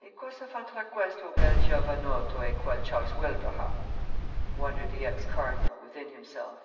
"E cosa fa tra questo bel giovanotto e quel Charles Wilbraham?" wondered the ex cardinal, within himself.